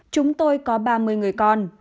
chúng tôi có ba mươi người con